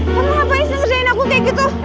kamu ngapain segerain aku kayak gitu